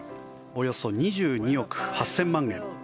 およそ２２億８０００万円。